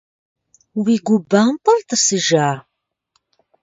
Уи гу бэмпӀар тӀысыжа?